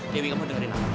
dewi kamu dengerin aku